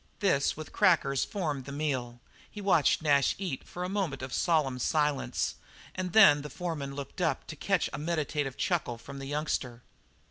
This with crackers, formed the meal. He watched Nash eat for a moment of solemn silence and then the foreman looked up to catch a meditative chuckle from the youngster.